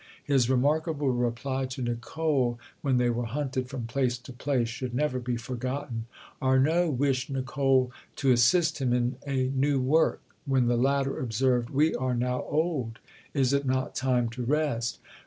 His remarkable reply to Nicolle, when they were hunted from place to place, should never be forgotten: Arnauld wished Nicolle to assist him in a new work, when the latter observed, "We are now old, is it not time to rest?"